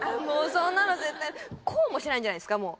もうそんなの絶対こうもしないんじゃないですか？